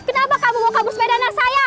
kenapa kamu mau kabur sepeda anak saya